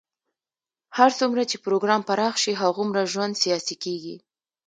هر څومره چې پروګرام پراخ شي، هغومره ژوند سیاسي کېږي.